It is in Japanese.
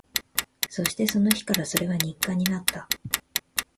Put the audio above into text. そして、その日からそれは日課になった